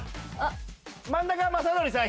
真ん中雅紀さん